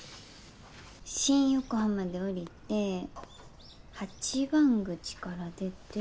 新横浜で降りて８番口から出て。